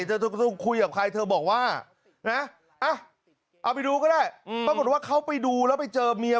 เธอคุยกับใครเธอบอกว่านะเอาไปดูก็ได้ปรากฏว่าเขาไปดูแล้วไปเจอเมีย